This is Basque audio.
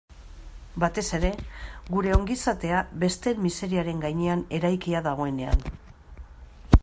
Batez ere, gure ongizatea besteen miseriaren gainean eraikia dagoenean.